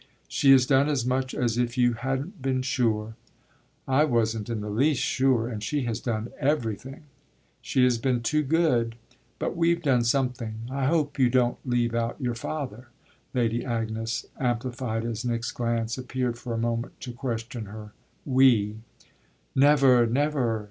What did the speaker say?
"She has done as much as if you hadn't been sure." "I wasn't in the least sure and she has done everything." "She has been too good but we've done something. I hope you don't leave out your father," Lady Agnes amplified as Nick's glance appeared for a moment to question her "we." "Never, never!"